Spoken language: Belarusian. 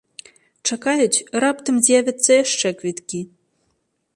Чакаюць, раптам з'явяцца яшчэ квіткі.